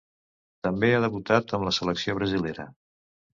També ha debutat amb la selecció brasilera.